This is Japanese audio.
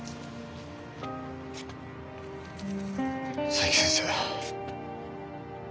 佐伯先生。